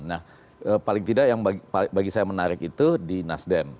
nah paling tidak yang bagi saya menarik itu di nasdem